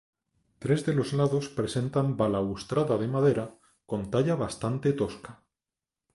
Tres de los lados presentan balaustrada de madera con talla bastante tosca.